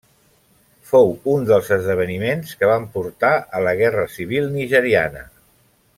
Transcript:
Fou un dels esdeveniments que van portar a la Guerra Civil nigeriana.